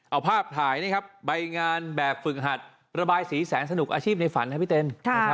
เอาภาพถ่ายนี่ครับใบงานแบบฝึกหัดระบายสีแสนสนุกอาชีพในฝันครับพี่เต้น